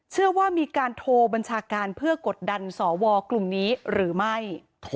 เชื่อว่ามีการโทรบัญชาการเพื่อกดดันสรฟ